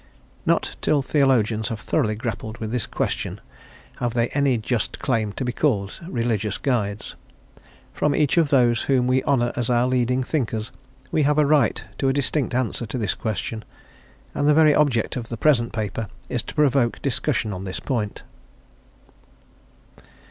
Not till theologians have thoroughly grappled with this question have they any just claim to be called religious guides; from each of those whom we honour as our leading thinkers we have a right to a distinct answer to this question, and the very object of the present paper is to provoke discussion on this point.